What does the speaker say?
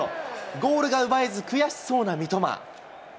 ゴールが奪えず、悔しそうな三笘。